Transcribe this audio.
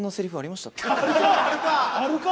あるか！